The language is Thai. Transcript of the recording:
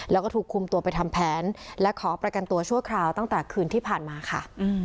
แล้วก็ถูกคุมตัวไปทำแผนและขอประกันตัวชั่วคราวตั้งแต่คืนที่ผ่านมาค่ะ